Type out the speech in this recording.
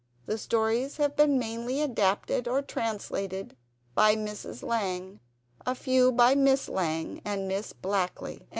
The stories have mainly been adapted or translated by Mrs. Lang, a few by Miss Lang and Miss Blackley.